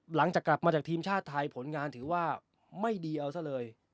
หลังจากกลับมาจากทีมชาติไทยผลงานถือว่าไม่ดีเอาซะเลย